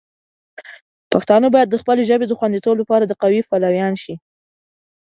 پښتانه باید د خپلې ژبې د خوندیتوب لپاره د قوی پلویان شي.